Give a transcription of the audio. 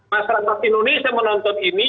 masyarakat indonesia menonton ini